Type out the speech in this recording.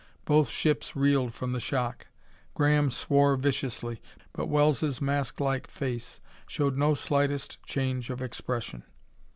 Both ships reeled from the shock. Graham swore viciously, but Wells' masklike face showed no slightest change of expression....